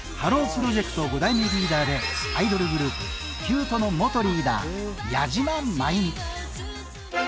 プロジェクト５代目リーダーでアイドルグループ℃−ｕｔｅの元リーダー矢島舞美